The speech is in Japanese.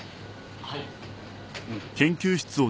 はい。